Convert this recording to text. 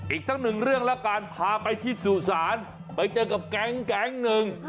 อีกสักหนึ่งเรื่องแล้วกันพาไปที่สุสานไปเจอกับแก๊งหนึ่ง